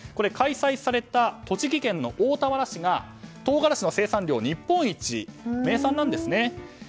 開催された栃木県の大田原市が唐辛子の生産量日本一名産なんです。